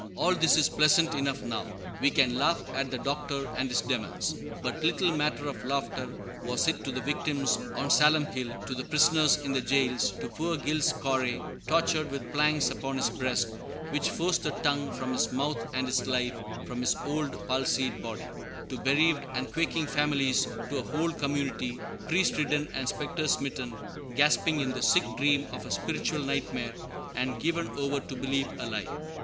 ] All this is pleasant enough now; we can laugh at the Doctor and his demons; but little matter of laughter was it to the victims on Salem Hill; to the prisoners in the jails; to poor Giles Corey, tortured with planks upon his breast, which forced the tongue from his mouth and his life from his old, palsied body; to bereaved and quaking families; to a whole community, priest ridden and spectresmitten, gasping in the sick dream of a spiritual nightmare and given over to believe a lie.